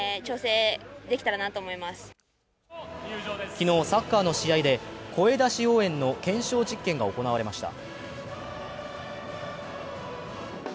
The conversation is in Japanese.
昨日、サッカーの試合で声出し応援の検証実験が行われました。